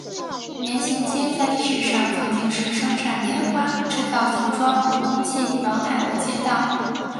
棉行街在历史上曾经是生产棉花制造服装或冬季毛毯的街道。